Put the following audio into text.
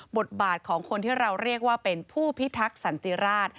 บทบาทของคนที่เราเรียกว่าเป็นผู้พิทักษ์สันติราช